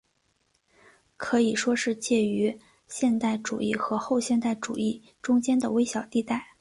可以说是介于现代主义和后现代主义中间的微小地带。